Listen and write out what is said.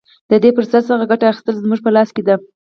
د دې فرصت څخه ګټه اخیستل زموږ په لاس کې دي.